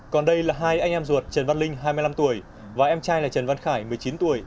còn đây là hai anh em ruột trần văn linh hai mươi năm tuổi và em trai là trần văn khải một mươi chín tuổi